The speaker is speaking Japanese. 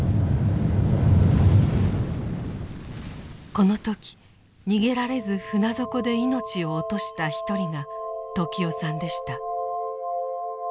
この時逃げられず船底で命を落とした一人が時雄さんでした。